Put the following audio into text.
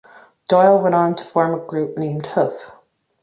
Doyle went on to form a group named Hoof.